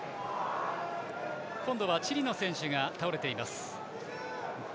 今度はチリの選手が倒れています。